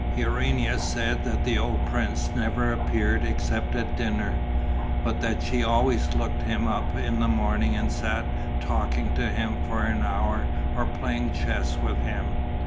Urania said that the old prince never appeared except at dinner, but that she always looked him up in the morning and sat talking to him for an hour or playing chess with him.